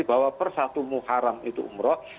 bahwa persatu muharram itu umroh